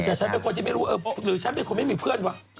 แต่ฉันเป็นคนที่ไม่รู้หรือฉันเป็นคนไม่มีเพื่อนวะ